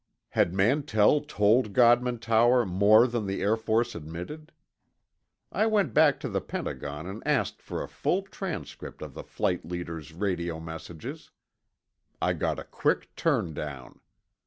Had Mantell told Godman Tower more than the Air Force admitted? I went back to the Pentagon and asked for a full transcript of the flight leader's radio messages. I got a quick turn down.